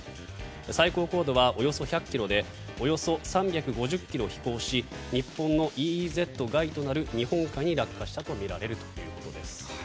最高高度はおよそ１００ｋｍでおよそ３５０ｋｍ飛行し日本のＥＥＺ外となる日本海に落下したとみられるということです。